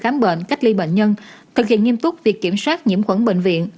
khám bệnh cách ly bệnh nhân thực hiện nghiêm túc việc kiểm soát nhiễm khuẩn bệnh viện